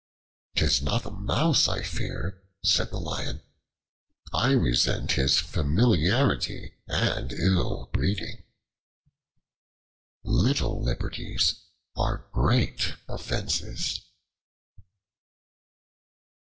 "'Tis not the Mouse I fear," said the Lion; "I resent his familiarity and ill breeding." Little liberties are great offenses.